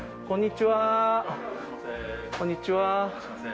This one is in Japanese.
こんにちは。